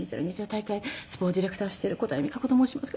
大会スポーツディレクターをしている小谷実可子と申しますが」